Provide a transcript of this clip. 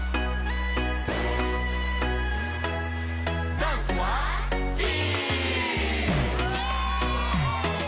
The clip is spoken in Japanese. ダンスはＥ！